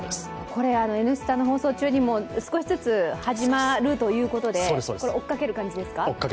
これ、「Ｎスタ」の放送中にも少しずつ始まるということで追っかける感じですか？